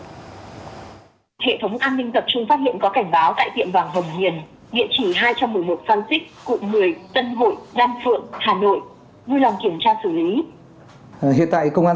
hệ thống an ninh tập trung phát hiện có cảnh báo tại tiệm vàng hồng hiền